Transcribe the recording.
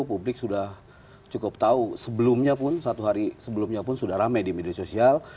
publik sudah cukup tahu sebelumnya pun satu hari sebelumnya pun sudah rame di media sosial